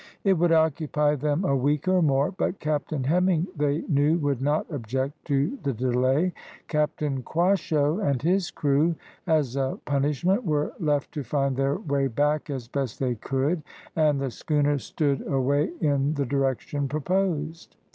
It would occupy them a week or more, but Captain Hemming they knew would not object to the delay. Captain Quasho and his crew as a punishment were left to find their way back as best they could, and the schooner stood away in the direction proposed.